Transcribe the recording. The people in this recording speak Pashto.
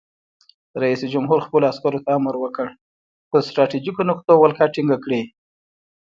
رئیس جمهور خپلو عسکرو ته امر وکړ؛ پر ستراتیژیکو نقطو ولکه ټینګه کړئ!